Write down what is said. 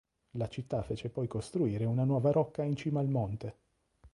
La città fece poi costruire una nuova rocca in cima al monte.